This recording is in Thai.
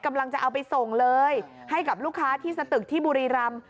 กำลังจะเอาไปส่งเลยให้กับลูกค้าที่สตึกที่บุรีรำ